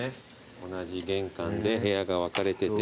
同じ玄関で部屋が分かれてて。